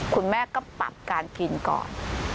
คุณแม่ก็ปรับการกินก่อน